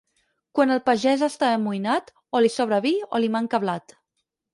Quan el pagès està amoïnat, o li sobra vi o li manca blat.